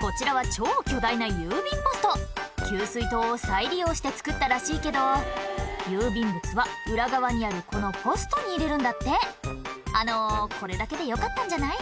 こちらは超巨大な郵便ポスト給水塔を再利用して造ったらしいけど郵便物は裏側にあるこのポストに入れるんだってあのこれだけでよかったんじゃない？